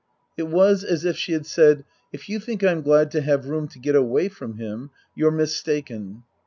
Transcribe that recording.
It was as if she had said, " If you think I'm glad to have room to get away from him you're mistaken."